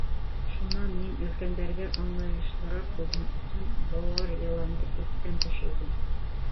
Шунан мин, өлкәндәргә аңлайышлыраҡ булһын өсөн, быуар йыланды эстән төшөрҙөм.